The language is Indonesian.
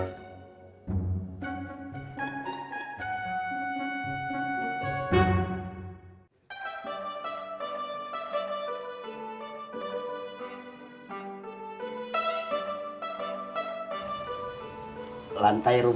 itu yang saya wujudin